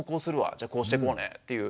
じゃあこうしてこうね」っていう。